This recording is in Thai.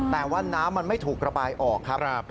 แต่ว่าน้ำมันไม่ถูกระบายออกครับ